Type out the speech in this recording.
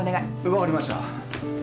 分かりました。